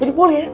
jadi boleh ya